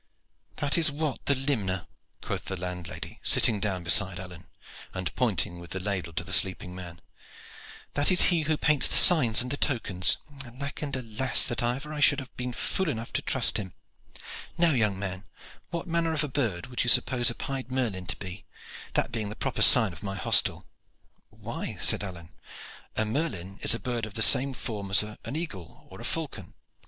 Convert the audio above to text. "That is Wat the limner," quoth the landlady, sitting down beside Alleyne, and pointing with the ladle to the sleeping man. "That is he who paints the signs and the tokens. Alack and alas that ever I should have been fool enough to trust him! Now, young man, what manner of a bird would you suppose a pied merlin to be that being the proper sign of my hostel?" "Why," said Alleyne, "a merlin is a bird of the same form as an eagle or a falcon.